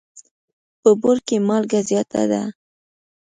په بوړ کي مالګه زیاته ده.